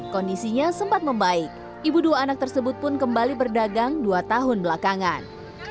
kondisinya sempat membaik ibu dua anak tersebut pun kembali berdagang dua tahun belakangan